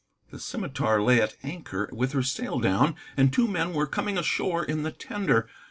The Scimitar lay at anchor with her sail down, and two men were coming ashore in the tender.